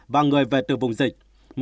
và người về từ vùng dịch